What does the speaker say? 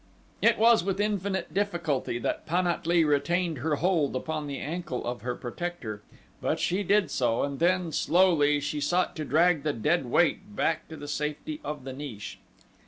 It was with infinite difficulty that Pan at lee retained her hold upon the ankle of her protector, but she did so and then, slowly, she sought to drag the dead weight back to the safety of the niche.